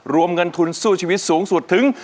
รวมเงินทุนสู้ชีวิตสูงสุดถึง